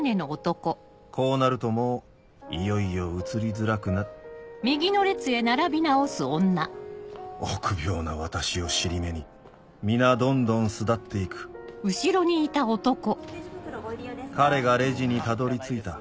こうなるともういよいよ移りづらくな臆病な私を尻目に皆どんどん巣立っていく彼がレジにたどり着いた